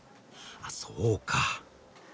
あそうか。